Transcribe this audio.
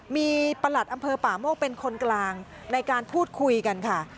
มีประหลัดอำเภอป่าโมกเป็นคนกลางในการพูดคุยกันค่ะ